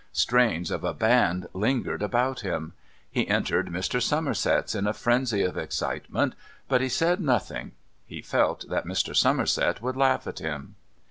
Strains of a band lingered about him. He entered Mr. Somerset's in a frenzy of excitement, but he said nothing. He felt that Mr. Somerset would laugh at him.